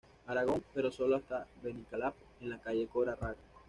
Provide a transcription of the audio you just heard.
Aragón, pero sólo hasta Benicalap, en la calle Cora Raga.